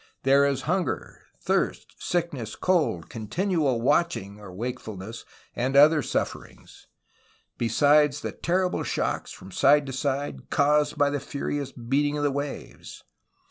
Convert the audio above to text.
There is hunger, thirst, sickness, cold, continual watch ing [v^jakefulness], and other sufferings; besides the terrible shocks frqm side to side, cans' d by the furious beating of the waves.